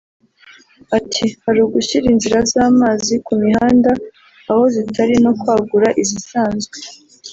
Ati “Hari ugushyira inzira z’amazi ku mihanda aho zitari no kwagura izisanzwe